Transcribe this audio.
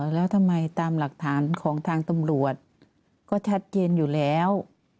แล้วทำไมตามหลักฐานของทางตำรวจก็ชัดเจนอยู่แล้ว